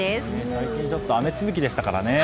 最近、ちょっと雨続きでしたからね。